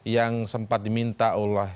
yang sempat diminta oleh